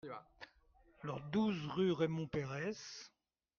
douze rue Raymond Peyrès